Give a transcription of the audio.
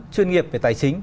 chuyên nghiệp về tài chính